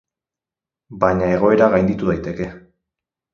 Baina egoera gainditu daiteke.